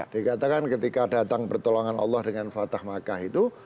dikatakan ketika datang pertolongan allah dengan fatah makkah itu